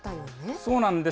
そうなんです。